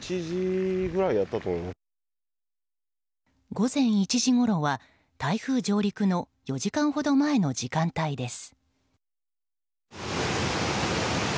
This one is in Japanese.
午前１時ごろには台風上陸の４時間ほど前の時間帯です。